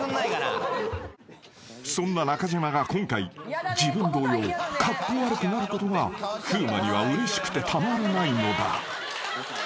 ［そんな中島が今回自分同様カッコ悪くなることが風磨にはうれしくてたまらないのだ］